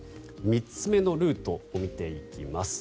３つ目のルートを見ていきます。